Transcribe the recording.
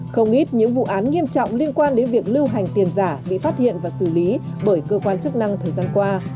không ít những vụ án nghiêm trọng liên quan đến việc lưu hành tiền giả bị phát hiện và xử lý bởi cơ quan chức năng thời gian qua